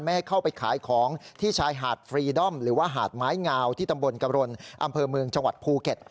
ให้เข้าไปขายของที่ชายหาดฟรีดอมหรือว่าหาดไม้งาวที่ตำบลกรณอำเภอเมืองจังหวัดภูเก็ต